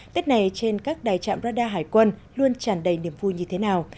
tết này trên các đài trạm radar hải quân luôn tràn đầy niềm vui như thế nào